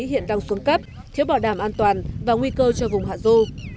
hiện đang xuống cấp thiếu bảo đảm an toàn và nguy cơ cho vùng hạ du